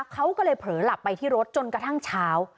เขาก็เลยเผลอหลับไปที่รถจนกระทั่งเช้า